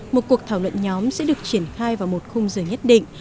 một cuộc thảo luận nhóm sẽ được triển khai vào một khung giờ nhất định